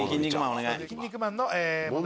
『キン肉マン』の問題